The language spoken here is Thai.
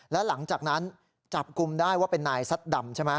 แล้วหลังจากนั้นจับกลุ่มได้ว่าเป็นนายซัดดำใช่ไหม